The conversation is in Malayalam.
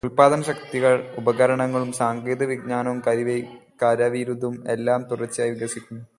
ഉൽപാദനശക്തികൾ, ഉപകരണങ്ങളും സാങ്കേതികജ്ഞാനവും കരവിരുതും എല്ലാം തുടർചയായി വികസിക്കുന്നു.